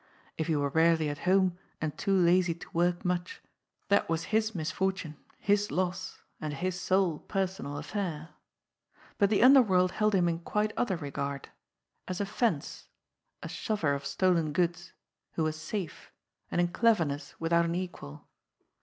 If he were rarely at home and too lazy to work much, that was his misfortune, his loss, and his sole personal affair! But the underworld held him in quite other regard as a "fence," a "shover of stolen goods," who was safe, and in cleverness without an equal.